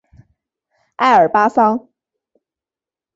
爱尔巴桑。